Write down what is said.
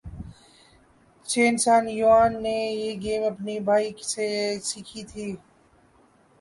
چین San Yuan نے یہ game اپنے بھائی سے سیکھی تھی